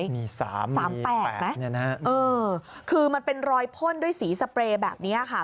มี๓๓๘ไหมคือมันเป็นรอยพ่นด้วยสีสเปรย์แบบนี้ค่ะ